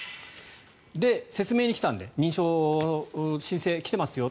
説明に来たので認証の説明来てますよ。